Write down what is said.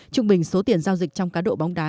trung bình số tiền giao dịch trong cá độ bóng đá